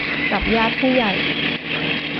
กับญาติผู้ใหญ่